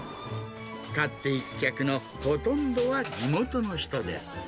買っていく客のほとんどは、地元の人です。